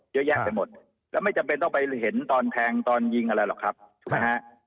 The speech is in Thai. เยอะแยะไปหมดแล้วไม่จำเป็นต้องไปเห็นตอนแทงตอนยิงอะไรหรอกครับถูกไหมฮะ